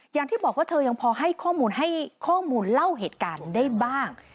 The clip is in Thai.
อย่างที่บอกว่าเธอยังพอให้ข้อมูลให้ข้อมูลเล่าเหตุการณ์ได้บ้าง